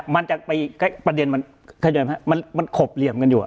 มันจะไปประเด็นมันขบเหลี่ยมกันอยู่